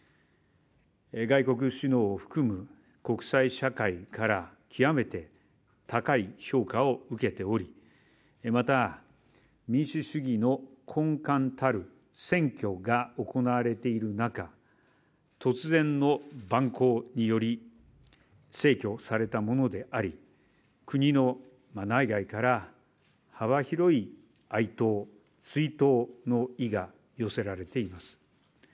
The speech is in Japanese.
外国首脳を含む国際社会から極めて高い評価を受けており、また、民主主義の根幹たる選挙が行われている中、突然の蛮行により逝去されたものであり、国の内外から幅広い哀悼、追悼の意が寄せられています。